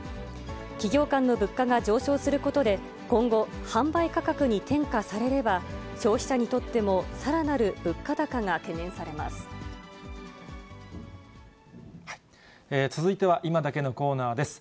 企業間の物価が上昇することで、今後、販売価格に転嫁されれば、消費者にとっても、さらなる物価高が懸念されます。